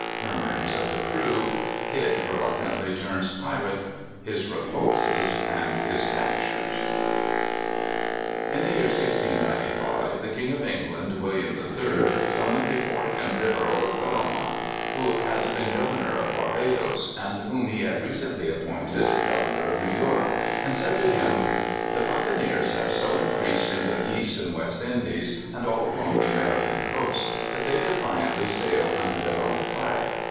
Murmurings of the Crew. Kidd reluctantly turns Pirate. His Repulses, and his Captures. In the year 1695, the King of England, William III., summoned before him the Earl of Bellomont, who had been governor of Barbadoes, and whom he had recently appointed governor of New York, and said to him: "The buccaneers have so increased in the East and West Indies, and all along the American coast, that they defiantly sail under their own flag.